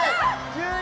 ９位！